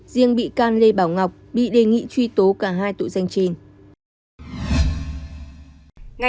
riêng bị can lê bảo ngọc bị đề nghị truy tố cả hai tội danh trên